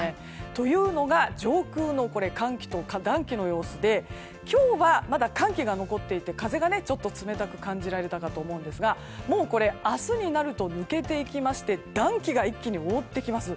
というのが上空の寒気と暖気の様子で今日は寒気が残っていて風が冷たく感じられたと思うんですがもう、これは明日になると抜けていきまして暖気が一気に覆ってきます。